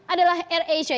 adalah air asia